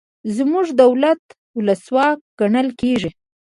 زموږ دولت ولسواک ګڼل کیږي.